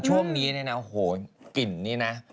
ช่วงนี้เนี่ยนะโอ้โหกลิ่นนี่นะ